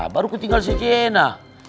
baru ketinggal si kena